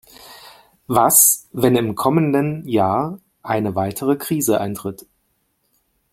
Was, wenn im kommenden Jahr eine weitere Krise eintritt?